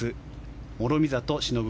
諸見里しのぶ